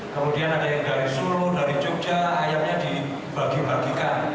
kemudian ada yang dari solo dari jogja ayamnya dibagi bagikan